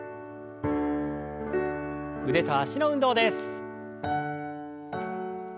腕と脚の運動です。